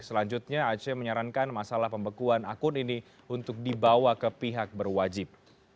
selanjutnya aceh menyarankan masalah pembekuan akun ini untuk dibawa ke pihak berwajib